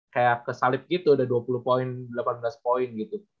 kayak kesalib gitu ada dua puluh poin delapan belas poin gitu